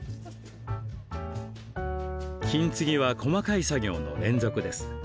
金継ぎは細かい作業の連続です。